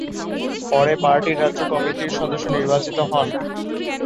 পরে পার্টির রাজ্য কমিটির সদস্য নির্বাচিত হন।